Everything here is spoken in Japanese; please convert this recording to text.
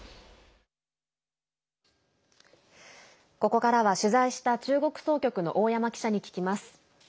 ここからは取材した中国総局の大山記者に聞きます。